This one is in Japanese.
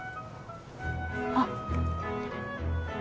あっ。